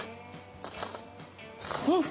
うん！